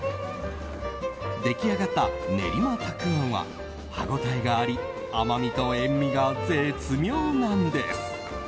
出来上がった練馬たくあんは歯応えがあり甘みと塩みが絶妙なんです。